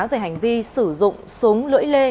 về hành vi sử dụng súng lưỡi lê